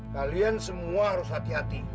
kalian semua harus hati hati